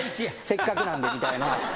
せっかくなんでみたいな。